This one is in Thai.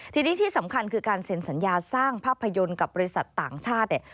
ทีนี้ที่สำคัญคือการเซ็นสัญญาสร้างภาพยนตร์กับบริษัทต่างชาติเนี่ย